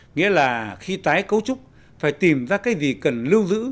nghĩa là khi tái cấu trúc phải tìm ra cái gì cần lưu giữ